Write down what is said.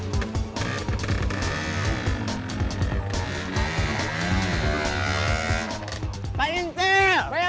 mangkuk aja dibawa